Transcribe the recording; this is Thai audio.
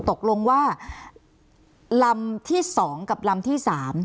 ตกลงว่าลำที่๒กับลำที่๓